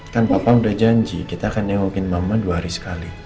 kan papa udah janji kita akan nengokin mama dua hari sekali